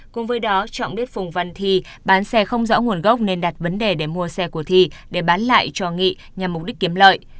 cùng với đó trọng biết phùng văn thi bán xe không rõ nguồn gốc nên đặt vấn đề để mua xe của thi để bán lại cho nghị nhằm mục đích kiếm lợi